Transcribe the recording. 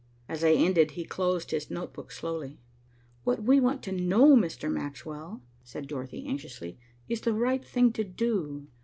As I ended, he closed his note book slowly. "What we want to know, Mr. Maxwell," said Dorothy anxiously, "is the right thing to do.